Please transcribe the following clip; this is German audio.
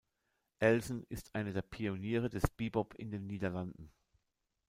Elsen ist einer der Pioniere des Bebop in den Niederlanden.